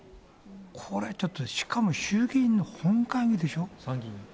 これちょっとしかも、衆議院の本会議でしょ。